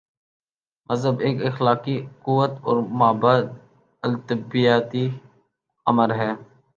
مذہب ایک اخلاقی قوت اور مابعد الطبیعیاتی امر ہے۔